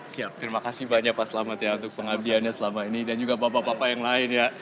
siap terima kasih banyak pak selamat ya untuk pengabdiannya selama ini dan juga bapak bapak yang lain ya